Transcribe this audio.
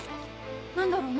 何だろう